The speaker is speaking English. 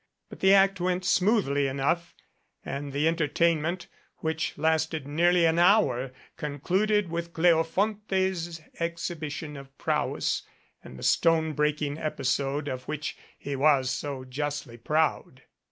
But the act went smoothly enough, and the entertainment, which lasted nearly an hour, concluded with Cleofonte's exhibition of prowess and the stone breaking episode of which he was so justly proud.